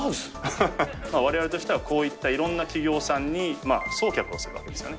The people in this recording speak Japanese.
われわれとしてはこういったいろんな企業さんに送客をするわけですよね。